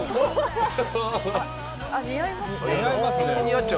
似合いますね。